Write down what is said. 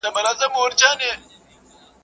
نغرى پر درو پښو درېږي.